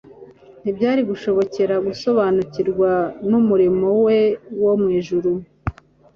ntibyari kumushobokera gusobanukirwa n’umurimo we wo mw’ijuru.